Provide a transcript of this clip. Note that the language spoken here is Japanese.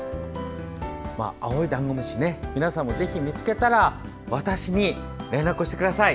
青いダンゴムシ皆さんもぜひ見つけたら私に連絡してください。